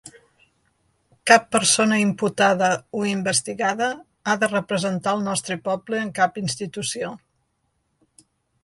Cap persona imputada o investigada ha de representar el nostre poble en cap institució.